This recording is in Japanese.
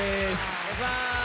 お願いします。